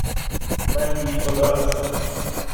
من بی خدا هستم.